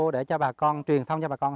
để cho bà con truyền thông cho bà con